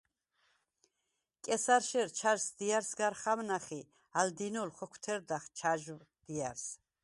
კესა̈რშერ ჩა̈ჟს დია̈რს გარ ხამნახ ი ალ დინოლ ხოქვთერდახ ჩაჟვ დია̈რს.